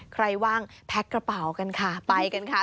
ว่างแพ็คกระเป๋ากันค่ะไปกันค่ะ